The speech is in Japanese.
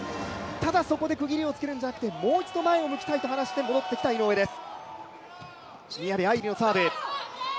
ただそこで区切りをつけるのではなくて前を向いていきたいと話して戻ってきた井上です。